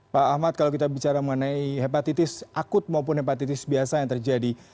pak ahmad kalau kita bicara mengenai hepatitis akut maupun hepatitis biasa yang terjadi